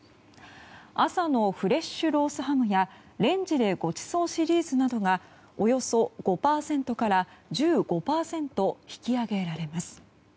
朝のフレッシュロースハムやレンジでごちそうシリーズなどがおよそ５％から１５％引き上げられます。